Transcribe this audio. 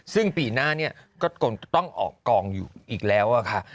ซึ่งปีหน้าเนี่ยก็คงจะต้องออกกองอยู่อีกแล้วค่ะ